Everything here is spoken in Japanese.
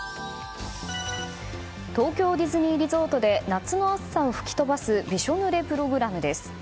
東京ディズニーリゾートで夏の暑さを吹き飛ばすびしょ濡れプログラムです。